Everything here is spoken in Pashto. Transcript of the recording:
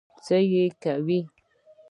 څه يې کوې؟